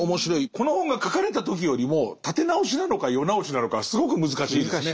この本が書かれた時よりも立て直しなのか世直しなのかはすごく難しいですね。